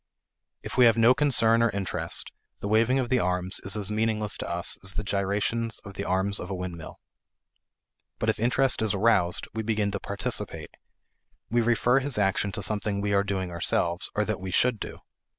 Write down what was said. If we have no concern or interest, the waving of the arms is as meaningless to us as the gyrations of the arms of a windmill. But if interest is aroused, we begin to participate. We refer his action to something we are doing ourselves or that we should do.